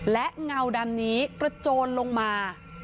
และเงาดำนี้กระโจนลงมา